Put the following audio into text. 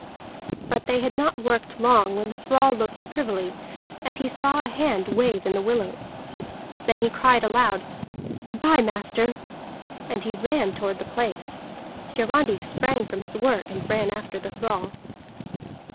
But they had not worked long when the thrall looked privily, and he saw a hand wave in the willows. Then he cried aloud: "Good bye, master," and he ran toward the place. Hiarandi sprang from his work, and ran after the thrall.